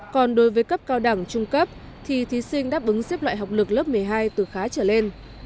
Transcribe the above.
còn đối với cấp cao đẳng trung cấp thì thí sinh đáp ứng xếp loại học lực lớp một mươi hai từ khá trở lên